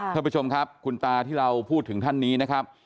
ท่านผู้ชมครับคุณตาที่เราพูดถึงท่านนี้นะครับ